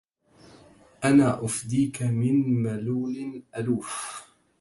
أنا أفديك من ملول أَلوف